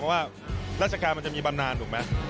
เพราะว่าราชการมันจะมีบำนานถูกไหม